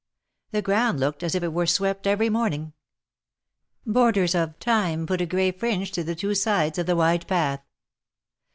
The ground looked as if it were swept every morning. F Jiders of Thyme put a gray fringe to the two sides of the wide path.